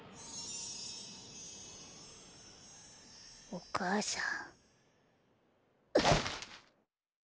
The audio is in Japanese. お母さん。